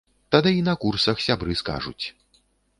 Тады й на курсах сябры скажуць.